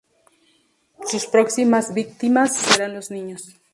Sus próximas víctimas serán los niños.